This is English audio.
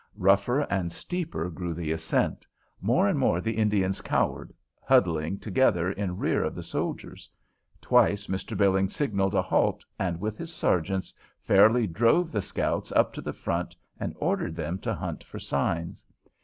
Rougher and steeper grew the ascent; more and more the Indians cowered, huddling together in rear of the soldiers. Twice Mr. Billings signalled a halt, and, with his sergeants, fairly drove the scouts up to the front and ordered them to hunt for signs.